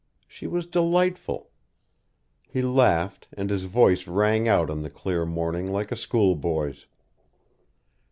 She was delightful. He laughed, and his voice rang out in the clear morning like a school boy's.